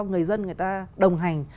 người dân người ta đồng hành